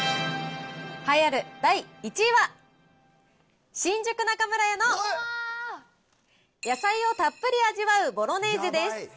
栄えある第１位は、新宿中村屋の野菜をたっぷり味わうボロネーゼです。